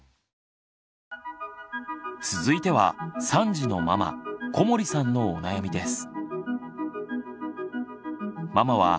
続いては３児のママ小森さんのお悩みです。